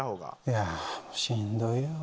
いやあもうしんどいよ。